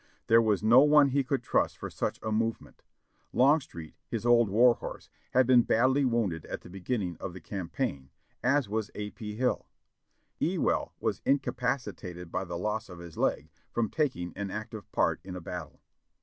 There was no one he could trust for such a movement ; Long street, his old war horse, had been badly wounded at the begin ning of the campaign, as was A. P. Hill ; Ewell was incapacitated by the loss of his leg, from taking an active part in a battle.